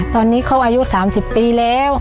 ตอนนี้เขาอายุ๓๐ปีแล้ว